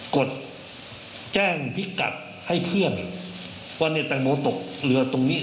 กดแจ้งพิกัดให้เพื่อนว่าเนี่ยแตงโมตกเรือตรงนี้